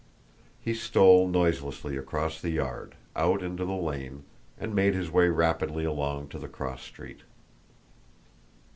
He stole noiselessly across the yard, out into the lane, and made his way rapidly along to the cross street.